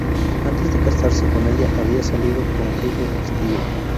Antes de casarse con ella había salido con Kate del Castillo.